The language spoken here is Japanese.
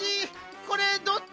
これどっち？